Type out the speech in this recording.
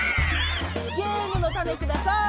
ゲームのタネください。